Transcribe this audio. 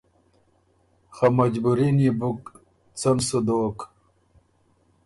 خه مجبوري نيې بُک څۀ ن سُو دوک۔